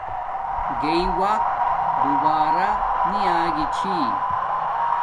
گݵی وقت دوبارہ نی آگی چھی